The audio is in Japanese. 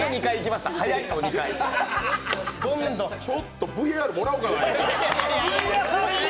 ちょっとＶＡＲもらおうかな。